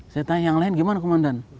saya tanya yang lain gimana komandan